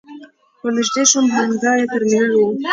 ور نژدې شوم همدا يې ترمینل و.